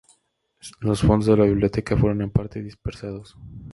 Los fondos de la biblioteca fueron en parte dispersados.